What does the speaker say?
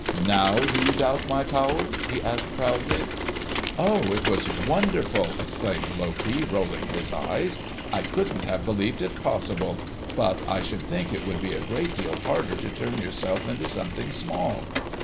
"Now do you doubt my power?" he asked proudly. "Oh, it was wonderful!" exclaimed Loki, rolling his eyes. "I couldn't have believed it possible! But I should think it would be a great deal harder to turn yourself into something small?"